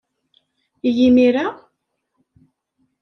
I yimir-a?